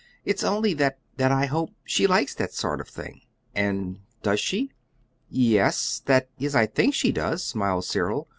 It's only that that I hope she likes that sort of thing." "And does she?" "Yes; that is, I think she does," smiled Cyril.